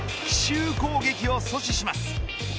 奇襲攻撃を阻止します。